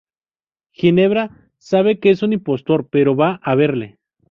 Ginebra sabe que es un impostor, pero va a verle.